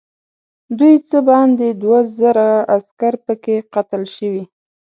دوی څه باندې دوه زره عسکر پکې قتل شوي.